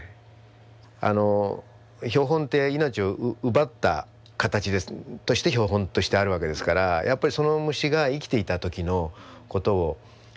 標本って命を奪った形として標本としてあるわけですからやっぱりその虫が生きていた時のことをきちんと表現してあげるというか。